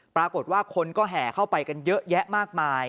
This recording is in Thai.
ปรากฏว่าคนก็แห่เข้าไปกันเยอะแยะมากมาย